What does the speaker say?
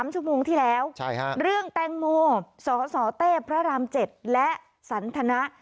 ชั่วโมงที่แล้วเรื่องแตงโมสสเต้พระราม๗และสันทนะ